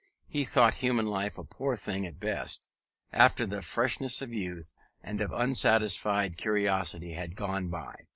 He thought human life a poor thing at best, after the freshness of youth and of unsatisfied curiosity had gone by.